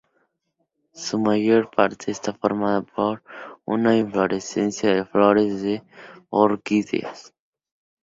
Su mayor parte está formada por una inflorescencia de flores de orquídeas.